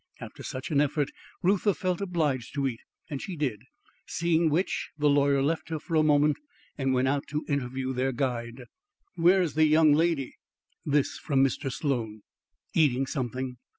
After such an effort, Reuther felt obliged to eat, and she did; seeing which, the lawyer left her for a moment and went out to interview their guide. "Where's the young lady?" This from Mr. Sloan. "Eating something.